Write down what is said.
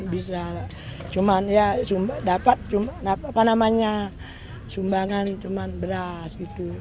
bisa cuma dapat sumbangan cuma beras